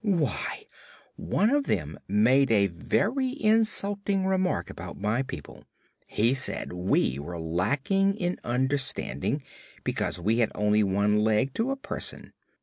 "Why, one of them made a very insulting remark about my people. He said we were lacking in understanding, because we had only one leg to a person.